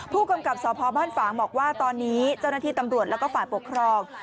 ผู้กำกับสพบ้านฝางบอกว่าตอนนี้เจ้าหน้าที่ตำรวจแล้วก็ฝ่ายปกครอง